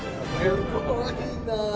すごいなぁ。